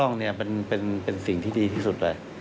ก็เรื่องกล้องเป็นสิ่งที่ดีที่สุดเลย